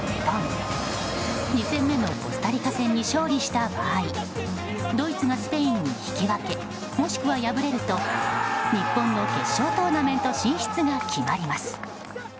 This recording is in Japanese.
２戦目のコスタリカ戦に勝利した場合ドイツがスペインに引き分けもしくは敗れると日本の決勝トーナメント進出が決まります。